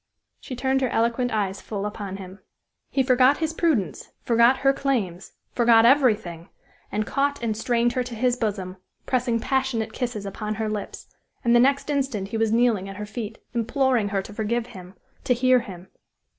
She turned her eloquent eyes full upon him. He forgot his prudence, forgot her claims, forgot everything, and caught and strained her to his bosom, pressing passionate kisses upon her lips, and the next instant he was kneeling at her feet, imploring her to forgive him to hear him.